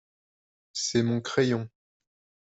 C’est mon crayon.